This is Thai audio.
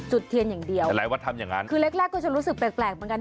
จุดเทียนอย่างเดียวคือแรกก็จะรู้สึกแปลกเหมือนกัน